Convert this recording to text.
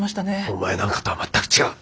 お前なんかとは全く違う！